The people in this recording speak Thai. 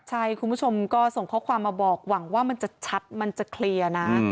ใช่คุณผู้ชมก็ส่งข้อความมาบอกหวังว่ามันจะชัดมันจะเคลียร์นะ